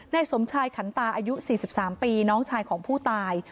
สมชายขันตาอายุ๔๓ปีน้องชายของผู้ตาย